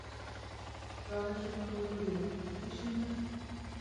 রমেশ উত্তর করিল, কিছুই না।